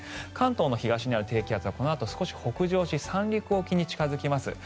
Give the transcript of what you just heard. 関東の東にある低気圧はこのあと少し北上し三陸沖に近付きます。